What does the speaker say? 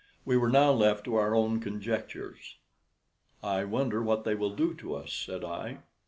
We were now left to our own conjectures. "I wonder what they will do to us?" said I.